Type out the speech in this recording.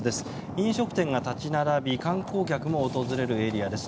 飲食店が立ち並び観光客も訪れるエリアです。